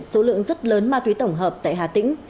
số lượng rất lớn ma túy tổng hợp tại hà tĩnh